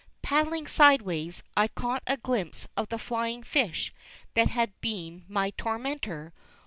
Paddling sideways, I caught a glimpse of the flying fish that had been my tormentor.